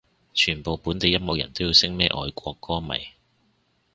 全部本地音樂人要識咩外國歌迷